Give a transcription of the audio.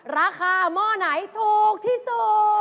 หม้อไหนถูกที่สุด